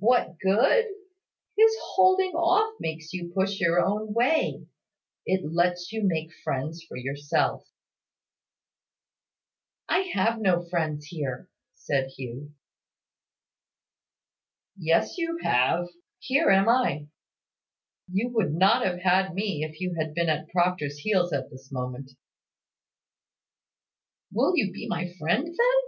"What good? His holding off makes you push your own way. It lets you make friends for yourself." "I have no friends here," said Hugh. "Yes, you have. Here am I. You would not have had me, if you had been at Proctor's heels at this moment." "Will you be my friend, then?"